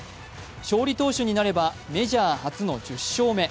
勝利投手になればメジャー初の１０勝目。